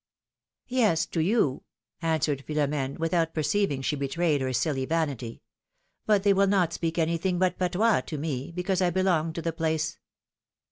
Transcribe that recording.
'^ Yes; to you answered Philora^ne, without perceiv ing she betrayed her silly vanity. '^But they will not speak anything but patois to me, because I belong to the place